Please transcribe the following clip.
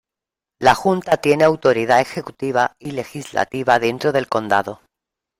La junta tiene autoridad ejecutiva y legislativa dentro del condado.